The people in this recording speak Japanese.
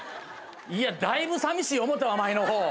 いやだいぶさみしい思たわ前の方。